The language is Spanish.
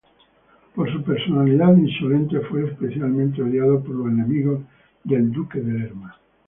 Por su personalidad insolente, fue especialmente odiado por los enemigos del duque de Lerma.